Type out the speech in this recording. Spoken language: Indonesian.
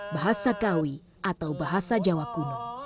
bahasa kawi atau bahasa jawa kuno